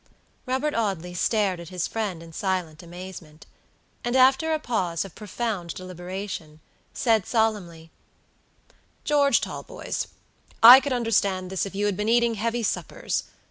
Robert Audley stared at his friend in silent amazement; and, after a pause of profound deliberation, said solemnly, "George Talboys, I could understand this if you had been eating heavy suppers.